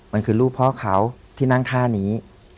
มันคือรูปพ่อเขาที่นั่งท่านี้